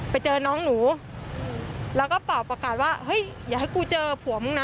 ไปเจอน้องหนูแล้วก็เป่าประกาศว่าเฮ้ยอย่าให้กูเจอผัวมึงนะ